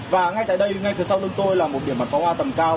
và ngay tại đây ngay phía sau lưng tôi là một điểm bắn pháo hoa tầm cao